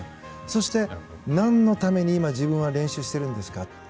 そして、何のために自分は今、練習しているんですか。